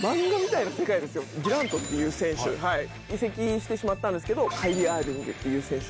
デュラントっていう選手移籍してしまったんですけどカイリー・アービングっていう選手。